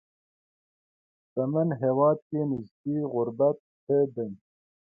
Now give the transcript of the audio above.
شتمن هېواد کې نسبي غربت ښه دی.